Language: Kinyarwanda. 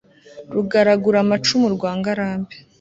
Rugaraguramacumu rwa Ngarambe